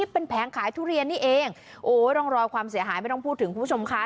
เป็นแผงขายทุเรียนนี่เองโอ้ร่องรอยความเสียหายไม่ต้องพูดถึงคุณผู้ชมค่ะ